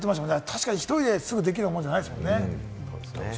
確かに１人でできるもんじゃないですもんね。